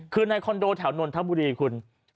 คือในคอนโดแถวนนทบุรีคุณ